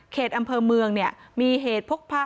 เขตอำเภอเมืองมีเหตุพกพา